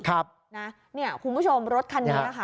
คุณผู้ชมรถคันนี้ค่ะ